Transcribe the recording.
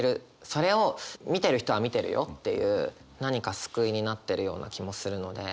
それを見てる人は見てるよっていう何か救いになってるような気もするので。